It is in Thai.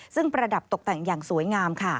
ซึ่งประดับตกแต่งอย่างสวยงามค่ะ